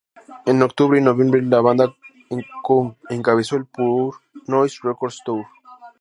En octubre y noviembre, la banda co-encabezó el Pure Noise Records tour.